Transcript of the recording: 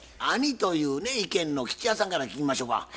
兄というね意見の吉弥さんから聞きましょか。